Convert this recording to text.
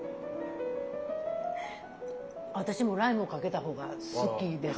私もライムをかけた方が好きです。